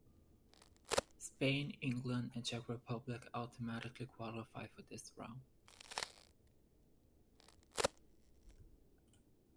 Spain, England, and Czech Republic automatically qualify for this round.